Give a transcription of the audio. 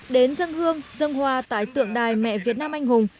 đến dâng hương dâng hòa tại tượng đài mẹ việt nam anh hùng